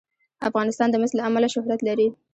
افغانستان د مس له امله شهرت لري.